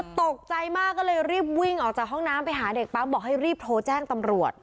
ตกใจมากก็เลยรีบวิ่งออกจากห้องน้ำไปหาเด็กปั๊มบอกให้รีบโทรแจ้งตำรวจ